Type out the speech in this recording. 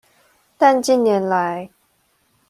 但近年來